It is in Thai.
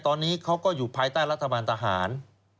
ตอนนี้เขาก็อยู่ภายใต้รัฐบาลทหาร